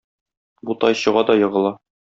Бу тай чыга да егыла.